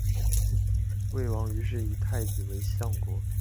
魏王于是以太子为相国。